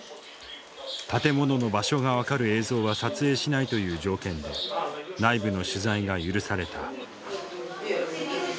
建物の場所が分かる映像は撮影しないという条件で内部の取材が許された。